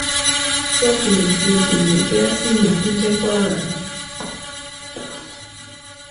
Ppookino Jude Muleke yasiimye okujja kwa bano.